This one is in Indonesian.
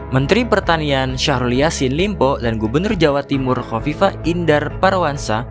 menteri pertanian syahrul yassin limpo dan gubernur jawa timur kofifa indar parawansa